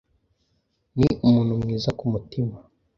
Ni umuntu mwiza kumutima.